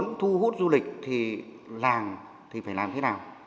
thế vậy thì nếu muốn thu hút du lịch thì làng thì phải làm thế nào